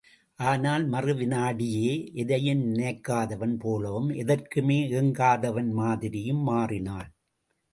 ஆனால் மறுவினாடியே, எதையும் நினைக்காதவன் போலவும் எதற்குமே ஏங்காதவன் மாதிரியும் மாறினான்.